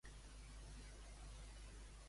Quina hora es fa mentre parlen?